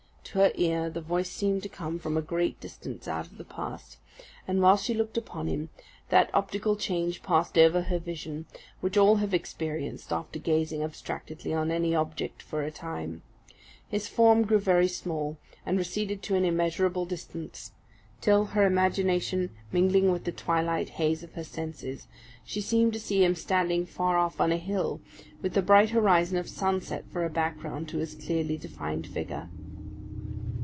To her ear the voice seemed to come from a great distance out of the past; and while she looked upon him, that optical change passed over her vision, which all have experienced after gazing abstractedly on any object for a time: his form grew very small, and receded to an immeasurable distance; till, her imagination mingling with the twilight haze of her senses, she seemed to see him standing far off on a hill, with the bright horizon of sunset for a background to his clearly defined figure.